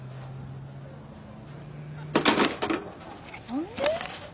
何で？